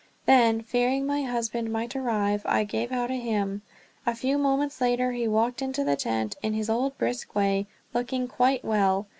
Then, fearing my husband might arrive, I gave out a hymn. A few moments later he walked into the tent in his old brisk way, looking quite well.